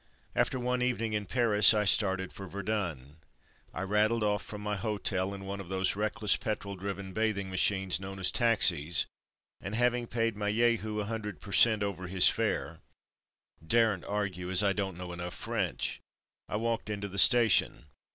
After one evening in Paris I started for Verdun. I rattled off from my hotel in one of those reckless petrol driven bathing ma chines known as taxis, and having paid my Jehu a hundred per cent, over his fare (daren't argue, as I don't know enough French), I walked into the station.